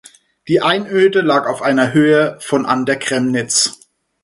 Die Einöde lag auf einer Höhe von an der Kremnitz.